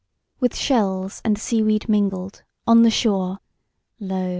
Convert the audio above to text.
With shells and sea weed mingled, on the shore, Lo!